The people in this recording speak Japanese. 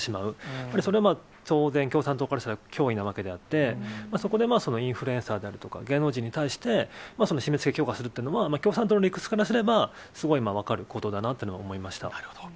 やっぱりそれは当然、共産党からしたら脅威なわけであって、そこでインフルエンサーであるとか芸能人に対して、締めつけ強化するというのは、共産党の理屈からすればすごい分かることだなって思いました。